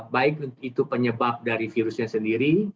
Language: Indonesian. baik itu penyebab dari virusnya sendiri